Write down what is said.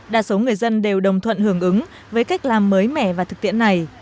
đa số người dân đều đồng thuận hưởng ứng với cách làm mới mẻ và thực tiễn này